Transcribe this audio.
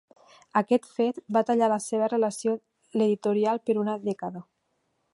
Aquest fet va tallar la seva relació l'editorial per una dècada.